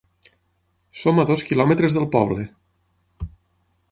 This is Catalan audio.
Som a dos quilòmetres del poble.